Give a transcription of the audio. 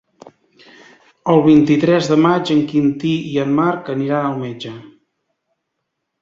El vint-i-tres de maig en Quintí i en Marc aniran al metge.